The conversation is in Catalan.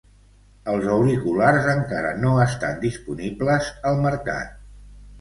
Els auriculars encara no estan disponibles al mercat.